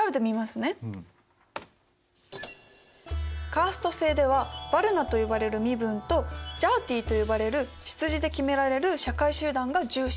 カースト制ではヴァルナと呼ばれる身分とジャーティと呼ばれる出自で決められる社会集団が重視されます。